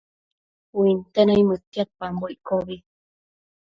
Uinte naimëdtiadpambo iccobi